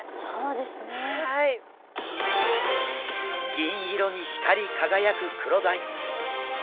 銀色に光り輝くクロダイ。